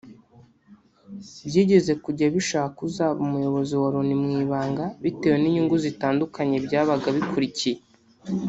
byigeze kujya bishaka uzaba umuyobozi wa Loni mu ibanga bitewe n’inyungu zitandukanye byabaga bikurikiye